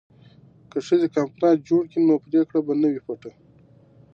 که ښځې کنفرانس جوړ کړي نو پریکړه به نه وي پټه.